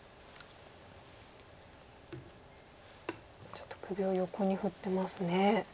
ちょっと首を横に振ってますね。